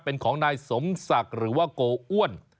เป็นของนายสมศักดิ์หรือว่าโกอ้วน